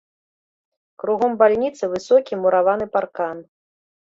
Кругом бальніцы высокі мураваны паркан.